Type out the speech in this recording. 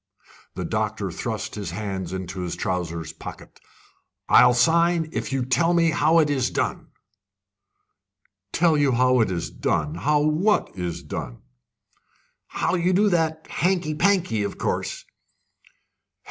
The doctor thrust his hands into his trousers' pockets. "I'll sign, if you'll tell me how it is done." "Tell you how it is done? How what is done?" "How you do that hanky panky, of course."